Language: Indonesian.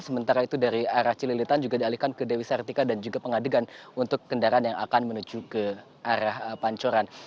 sementara itu dari arah cililitan juga dialihkan ke dewi sartika dan juga pengadegan untuk kendaraan yang akan menuju ke arah pancoran